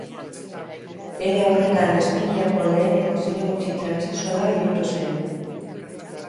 Era horretan Espainiako lehenengo zinegotzi transexuala bihurtu zen.